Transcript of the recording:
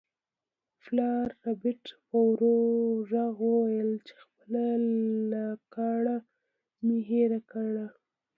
پلار ربیټ په ورو غږ وویل چې خپله لکړه مې هیره کړه